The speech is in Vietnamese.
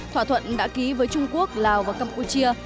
thỏa thuận đã ký với trung quốc lào và campuchia